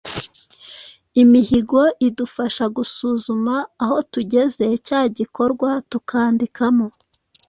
imihigo idufasha gusuzuma aho tugeze cya gikorwa tukandikamo.